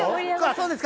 そうですか。